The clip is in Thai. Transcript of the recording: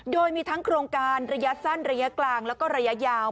โดยมีทั้งโครงการระยะสั้นระยะกลางแล้วก็ระยะยาว